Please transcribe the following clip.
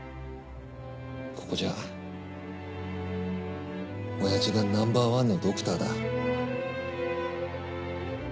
ここじゃおやじがナンバーワンのドクターだ。